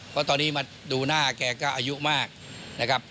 เพราะตอนนี้มาดูหน้าแกก็อายุมากนะครับ